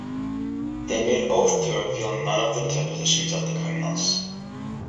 They made oath to reveal none of the depositions of the criminals.